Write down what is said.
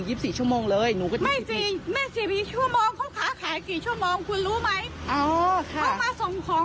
คุณต้องย้ายไปจอดที่ภูหลวง